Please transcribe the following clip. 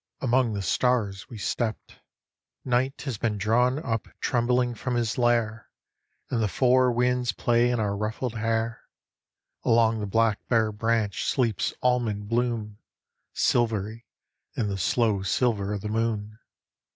Among the stars we stept. Night has been drawn up trembling from his lair, And the four winds play in our ruffled hair. Along the black bare branch sleeps almond bloom, Silvery in the slow silver of the moon.